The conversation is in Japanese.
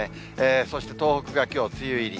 そして東北がきょう、梅雨入り。